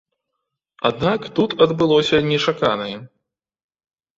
Аднак тут адбылося нечаканае.